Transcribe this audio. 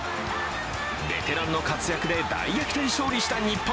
ベテランの活躍で大逆転勝利した日本。